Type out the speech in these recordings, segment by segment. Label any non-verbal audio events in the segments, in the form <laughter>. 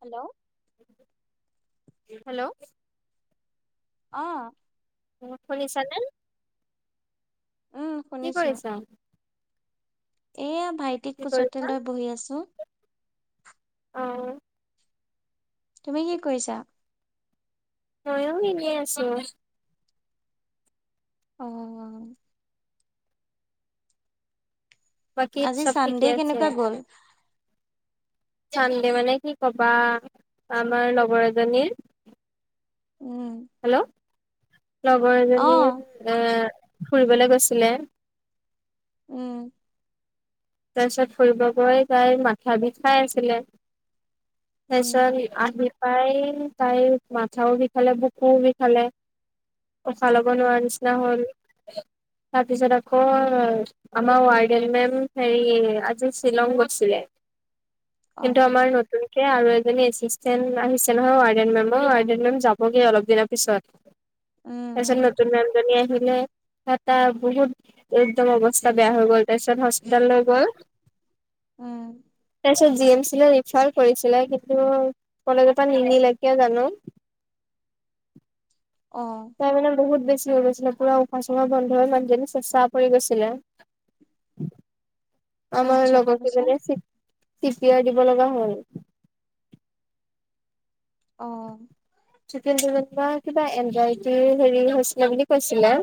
Hello. Hello. অহ। মনত কৰিছানে? উম কি কৰিছ? এইয়া ভাইটিক কি কোচতে কৰিছা লৈ বহি আছোঁ। অহ। তুমি কি কৰিছাঁ? মইয়ো এনেই আছোঁ। অহ। বাকী আজি চব ঠিকে চানডে আছে কেনেকুৱা গ'ল? চান্দে মানে কি কবা, আমাৰ লগৰ এজনীৰ উম। হেল্ল'। লগৰ অ এজনী ফুৰিবলৈ গৈছিলে। উম। তাৰপিছত ফুৰিবগৈ তাইৰ মাথা বিষাই আছিলে। উম তাৰপিছত আহি পাই তাই মাথাও বিষালে বকুও বিষালে। উশাহ ল'ব উম নোৱাৰি। ন <unintelligible> তাৰপিছত আকৌ আমাৰ ৱয়াডেল মেম- হেৰি আজি শ্বিলং গৈছিলে। অ কিন্তু আমাৰ নতুন কে আৰু এজনী এছিষ্টেণ্ট আহিছে নহয় ৱাৰ্ডেন মেমৰ, ৱাৰ্ডেন মেম যাবগৈ অলপ দিনৰ পিছত। <unintelligible> উম তাৰপিছত নতুন মে'মজনী আহিলে। তাত- তা বহুত একদম অৱস্থা বেয়া হৈ গ'ল তাৰপিছত- <unintelligible> উম তাৰপিছত জি এম চি লৈ ৰিফাৰ কৰিছিলে কিন্তু কলেজৰ পৰা নিনিলে কিয় জানোঁ। অঁ। তাৰ মানে বহুত বেছি হৈ গৈছিলে। পুৰা উশাহ চুশাহ বন্ধ হৈ মানুহজনী চেঁচা পৰি গৈছিলে। <unintelligible> আমাৰ আচ্ছা লগৰ কেইজনীয়ে তাৰপিছত মানে চিপিয়াৰ দিব লগা হ'ল। অঁ। <unintelligible> কিবা এনজাইটি হেৰি হৈছিলে বুলি কৈছিলে।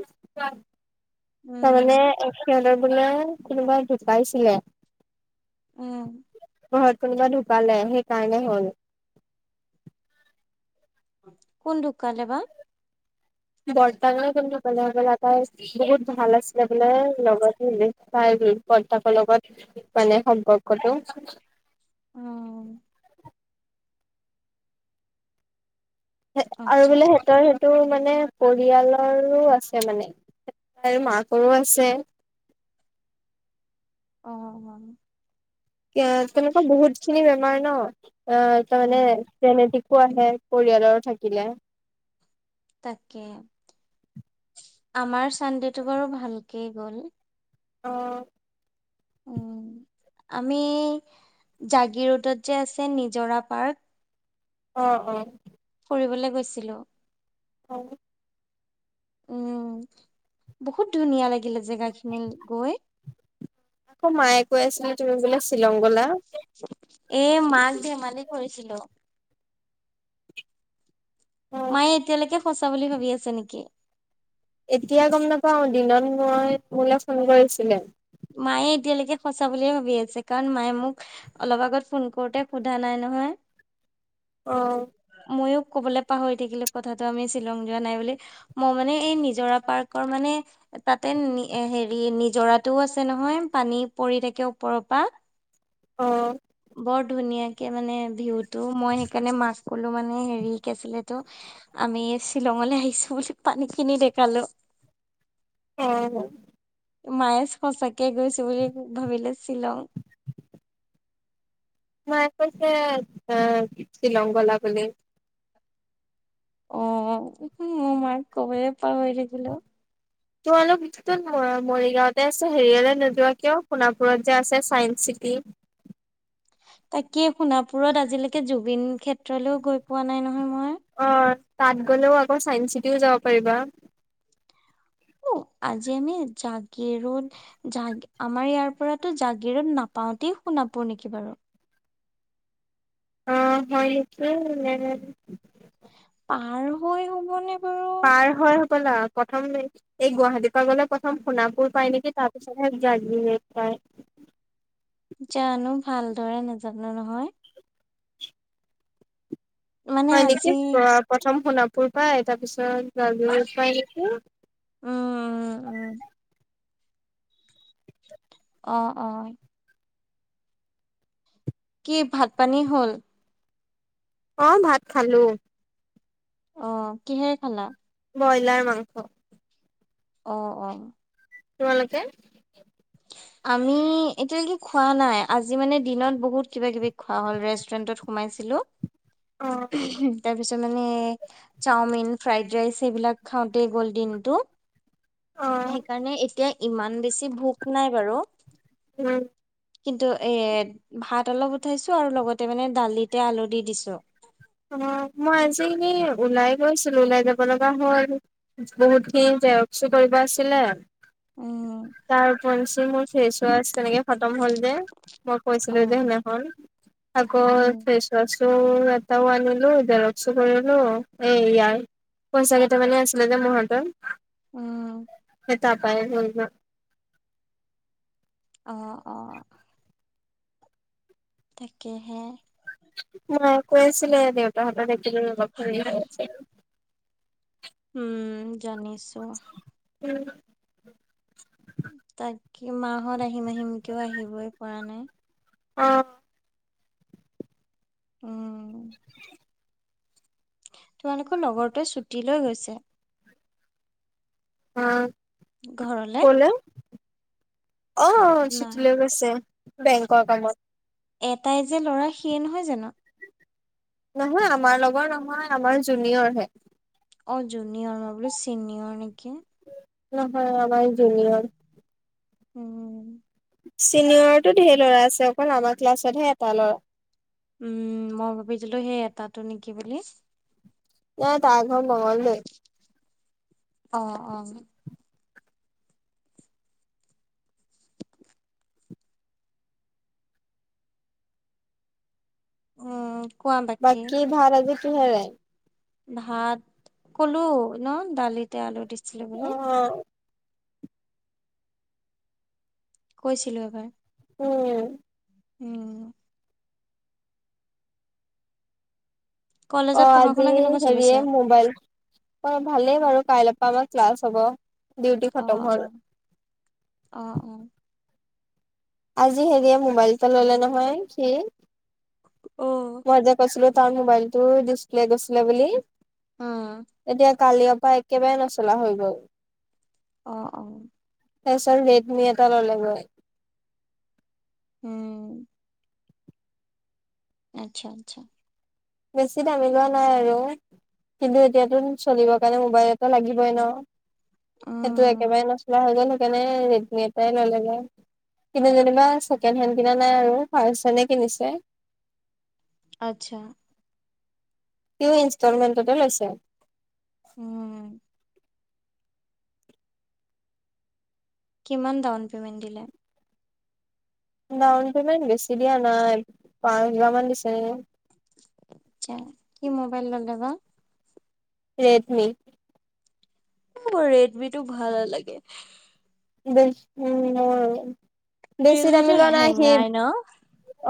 উম তাৰমানে সিহঁতৰ বোলে কোনোবা জোকাইছিলে। উম। ঘৰত কোনোবা ঢুকালে সেইকাৰণে হ'ল। কোন ঢুকালে বা? বৰ্তা নে কোনোবা <unintelligible> বোলে হ'বলা বহুত ভাল আছিল বোলে লগত হ- তাই বতাকৰ লগত মানে সম্পৰ্কটো। উম। আৰু আচ্ছা বোলে আচ্ছা সিহঁতৰ- তোৰ মানে পৰিয়ালৰো আছে মানে মাকৰো আছে। অ'। এ তেনেকুৱা বহুত খিনি বেমাৰ ন' অ' তাৰমানে উম জেনেটিক- টো আহে পৰিয়ালৰ থাকিলে। তাকে, আমাৰ চানডে টো বাৰু ভালকে গ'ল। অ'। উম, আমি জাগিৰোডত যে আছে নিজৰা পাৰ্ক। অঁ অঁ। ফুৰিবলে গৈছিলোঁ। অ'। উম, বহুত ধুনীয়া লাগিলে জেগাখিনি গৈ। অঁ, মায়ে কৈ আছিলে তুমি বোলে শ্বিলং গ'লা? এ, মাক ধেমালি কৰিছিলো। অ মায়ে এতিয়ালৈকে সঁচা বুলি ভাবি আছা নেকি? এতিয়া গম নাপাও দিনত মই মোলে ফোন কৰিছিলে। মায়ে এতিয়ালৈকে সঁচা বুলিয়ে ভাবি আছে। কাৰণ মায়ে মোক অলপ আগত ফোন কৰোতে সোধা নাই নহয়। অ'। মইয়ো ক'বলৈ পাহৰি থাকিলোঁ কথাটো আমি শ্বিলং যোৱা নাই বুলি। মই মানে এই নিজৰা পাৰ্কৰ মানে তাতে হেৰি নিজৰাত তো আছে নহয়, পানী পৰি থাকে ওপৰৰ অ পৰা বৰ ধুনীয়া। কে মানে, ভিউটো, মই সেইকাৰণে মাক ক'লোঁ মানে, হেৰি, কি আছিলে এইটো? আমি শ্বিলঙলৈ আহিছো বুলি পানী খিনি দেখালো। অ' অ'। মায়ে সঁচাকে গৈছো বুলি ভাবিলে শ্বিলং। মায়ে কৈছে এ শ্বিলং গলা বুলি। অ' মোৰ মাক কবলে পাহৰি থাকিলো। তোমালোক মৰিগাঁৱতে আছে হেৰিয়লৈ নোযোৱা কিয়, সোণাপুৰত যে আছে চাইন্ঞ্চ চিটি। তাকেই সোণাপুৰত আজিলৈকে জুবিন ক্ষেত্ৰলৈও গৈ পোৱা নাই নহয় মই। অঁ তাত গ'লেও আকৌ চাইন্স চিটিও যাব পাৰিবা। অঁ আজি আমি জাগীৰোড জাগ আমাৰ ইয়াৰ পৰাতো জাগীৰোড নাপাওঁতে সোণাপুৰ নেকি বাৰু? অ', হয় নেকি <unintelligible> পাৰ হয় হবনে? বাৰু পাৰ হয় হবলা প্ৰথম <unintelligible> এই গুৱাহাটী পা গলে প্ৰথম সোণাপুৰ পায় নিকি? তাৰপিছতহে দাৰ্জিলিং পায়। জানো ভালদৰে নাজানো নহয়। মানে হয় নেকি আজি প্ৰথম সোণাপুৰ পাই, তাৰ পিছত জাগীৰোড পাই নেকি? উম, উম, উম। অ', অ'। কি ভাত পানী হ'ল? অ', ভাত খালোঁ। অঁ কিহেৰে খালা? ব্ৰইলাৰ মাংস। অঁ অঁ। তোমালোকে? আমি এতিয়ালৈকে খোৱা নাই আজি মানে দিনত বহুত কিবা কিবি খোৱা হ'ল। ৰেষ্টুৰেণ্টত সোমাইছিলো। অ তাৰ পিছত মানে চাওমিন, ফ্ৰাইড ৰাইচ এইবিলাক খাওঁতে গ'ল দিনটো! অ সেইকাৰণে এতিয়া ইমান বেছি ভোক নাই বাৰু! উম। কিন্তু এ ভাত অলপ উঠাইছো আৰু লগতে মানে দালিতে আলু দি দিছো। অ' মই আজি এনেই ওলাই গৈছিলোঁ ওলাই যাব লগা হ'ল। বহুতখিনি জেৰক্সো কৰিব আছিলে। উম। তাৰ উপৰঞ্চি মোৰ ফেচ ৱাচ তেনেকে খতম হ'ল যে মই অ কৈছিলো যে সেইদিনাখন। আকৌ উম ফেছৱাছো এটাও আনিলো, জেৰক্সো কৰিলো, এই ইয়াৰ পইচা কেইটা মানে আছিলে যে মোৰ হাতত। উম। সেই তাৰ পাই গ'ল। অঁ অঁ। তাকেহে। মায়ে কৈ আছিলে দেউতাহঁতৰ দেখিলো <unintelligible> উমঁ' জানিছোঁ। উমঁ। তাকে, মাহঁত আহিম আহিম কেও আহিবই পৰা নাই। অঁ। উম। <inaudible> তোমালোকৰ লগৰতোৱে ছুটি লৈ গৈছে। অ। ঘৰলে! কলে অ, ছুটী নাই লৈ গৈছে, বেংকৰ কামত। এটাই যে ল'ৰা, সিয়ে নহয় জানো! নহয়, আমাৰ লগৰ নহয়, আমাৰ জুনিয়ৰ হে। অ, জুনিয়ৰ মই বুলো চিনিয়ৰ নেকি! নহয়, আমাৰ জুনিয়ৰ। উম। চিনিয়ৰৰতো ঢেৰ ল'ৰা আছে, অকল আমাৰ ক্লাছতহে এটা ল'ৰা। উম, মই ভাবিছিলো সেই এটাটো নেকি বুলি! নাই, তাৰ ঘৰ মংগলদৈ। অ, অ। উম। বাকী, ভাত আজি কিহেৰে? ভাত, ক'লো ন দালিতে আলু দিছে। অ। কৈছিলো এবাৰ। উম। উম। অ, কলেজত পঢ়া আজি শুনা কেনেকুৱা চলিছে হেৰিয়ে মোবাইল অ, ভালেই বাৰু, কাইলৰ পৰা আমাৰ ক্লাছ হ'ব। ডিউটি আহ, খতম হ'ল অ, অ, অ। আজি হেৰিয়ে মোবাইল এটা ল'লে নহয় সি। অ। মই যে কৈছিলো তাৰ মোবাইলটো ডিছপ্লে গৈছিলে বুলি, উম এতিয়া কালিৰ পৰা একেবাৰে নচলা হৈ গ'ল। অ, অ। তাৰপিছত ৰেডমি এটা ল'লে গৈ। উম। আচ্ছা, আচ্ছা! বেছি দামি লোৱা নাই আৰু। কিন্তু এতিয়াতো চলিবৰ কাৰণে মোবাইল এটা লাগিবই ন! সেইটো উম একেবাৰে নচলা হৈ গ'ল, সেইকাৰণে ৰেডমি এটাই ল'লে গৈ। কিন্তু যেনিবা ছেকেণ্ড হেণ্ড কিনা নাই আৰু, ফাৰ্ষ্ট হেণ্ডে কিনিছে। আচ্ছা। সিয়ো ইনষ্টলমেণ্টতে লৈছে। উম। কিমান ডাউন পে'মেণ্ট দিলে? ডাউন পেমেণ্ট বেছি দিয়া নাই, পাঁচ হেজাৰ মান দিছে নেকি! আচ্ছা! কি মোবাইল ল'লে বা? ৰেডমি। মোৰ ৰেডমিটো ভাল নালাগে। <unintelligible> উম, বেছি দামি ৰিয়েলমিটো লোৱা নাই সি। হেঙাই ন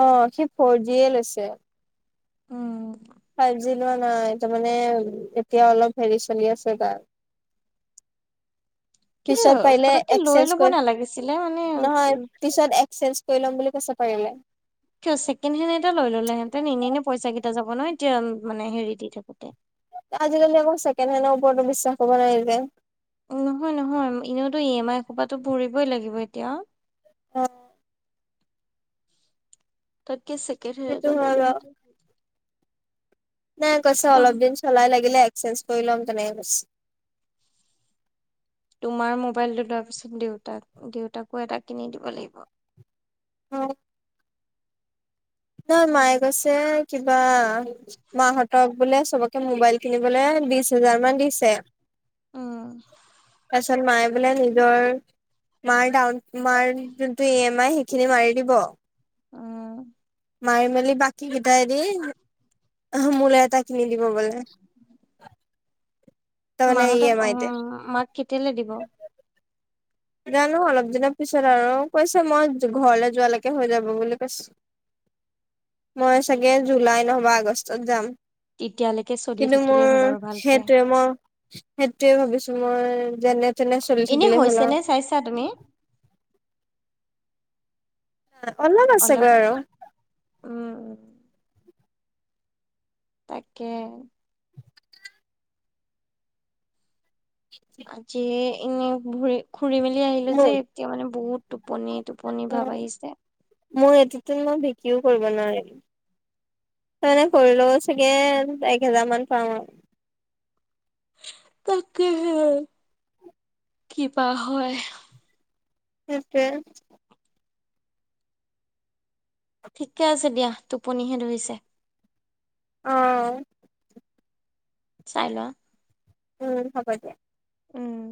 অ, সি ফৰ জি এ লৈছে। উম। ফাইব জি লোৱা নাই, তাৰ মানে এতিয়া অলপ হেৰি চলি আছে তাৰ। কিন্তু পিছত পাৰিলে, পতককে লৈ এক্সচেঞ্জ ল'ব কৰি, নালাগিছিলে মানে নহয় উম, পিছত এক্সচেঞ্জ কৰি লম বুলি কৈছে পাৰিলে। কিয় ছেকেণ্ড হেণ্ড এটা লৈ ল'লে হেতেন, এনে, এনে পইচা কেইটা যাব ন, এতিয়া মানে হেৰি দি থাকোঁতে। আজিকালি আকৌ, চেকেণ্ড হেণ্ডৰ ওপৰতো বিশ্বাস কৰিব নোৱাৰি যে। নহয়, নহয় এনেওতো ই এম আই সোপাতো ভৰিবই লাগিব এতিয়া। <unintelligible> তাকে ছেকেণ্ড হেণ্ড সেইটো এটা লৈ হয় বাৰু। লোৱাহেঁতেন। নাই কৈছে, অ অলপ দিন চলাই লাগিলে, এক্সচেঞ্জ কৰি লম তেনেকে কৈছে। তোমাৰ মোবাইলটো, তাৰপিছত দেউতাক, দেউতাকো এটা কিনি দিব লাগিব। <unintelligible> নহয় মায়ে কৈছে, কিবা মাহঁতৰ বোলে চবকে, মোবাইল কিনিবলৈ বিশ হোজাৰ মান দিছে। অহ। তাৰপিচত মায়ে বোলে নিজৰ মাৰ ডাউন মাৰ যোনটো ই এম আই, সেইখিনি মাৰি দিব। অ'। মাৰি-মেলি বাকী কিতাই দি। অহ, মোলৈ এটা কিনি দিব বোলে। তাৰমানে ই মাহতক, এম আইতে। উম, মাক কেতিয়ালৈ দিব। জানো অলপ দিনৰ পিছত আৰু, কৈছো‌ মই ঘৰলৈ যোৱালৈকে হৈ যাব বুলি কৈছি। মই চাগে, জুলাই নহ'বা আগষ্টত যাম। তেতিয়ালৈকে চলি কিন্তু, মোৰ থাকিলেই হ'ল আৰু ভালকে। সেইটোৱে মোৰ সেইটোৱে ভাবিছো মই, যেনে-তেনে চলি এনে থাকিলে হ'ল হৈছে আৰু। <unintelligible> তুমি অনলাইন আছে অলপ? গৈ আৰু। উম তাকে। <inaudible> আজি, ইনি ভৰিত ঘুৰি-মেলি আহিলো মোৰ যে, এতিয়া মানে বহুত, টোপনি, টোপনি ভাব আহিছে। মোৰ এটিতো মই বিক্ৰীও কৰিব নোৱাৰিম। এনে কৰিলেও চাগে, এক হেজাৰ মান পাম আৰু। তাকে হে, কিবা হয়। তাকে। ঠিকে আছে দিয়া, টোপনিহে ধৰিছে। অ'। চাই লোৱা। উম, হ'ব দিয়া। উম।